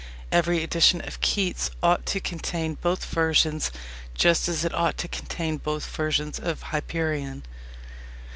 Every edition of Keats ought to contain both versions just as it ought to contain both versions of Hyperion.